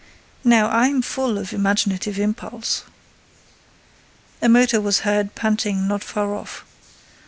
Now, I'm full of imaginative impulse." A motor was heard panting not far off.